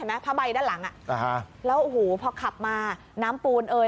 เห็นไหมผ้าใบด้านหลังอ่ะอ่าฮะแล้วอูหูพอขับมาน้ำปูนเอ่ย